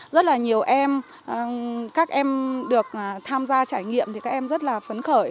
rất là nhiều em các em được tham gia trải nghiệm thì các em rất là phấn khởi